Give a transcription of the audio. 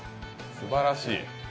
すばらい。